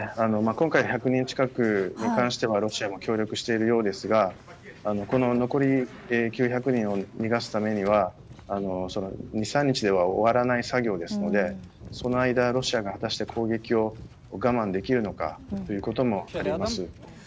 今回の１００人近くに関してはロシアも協力しているようですが残り９００人を逃がすためには２３日では終わらない作業ですのでその間、ロシアが果たして攻撃を我慢できるのかということもあります。